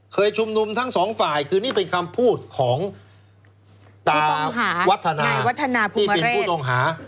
เคยชุมนุมทั้งสองฝ่ายคือนี่เป็นคำพูดของที่เป็นผู้ต้องหา